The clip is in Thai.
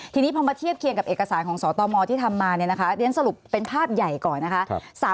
ทีนี้พอมาเทียบเคียงกับเอกสารของสตมที่ทำมาเนี่ยนะคะเรียนสรุปเป็นภาพใหญ่ก่อนนะคะ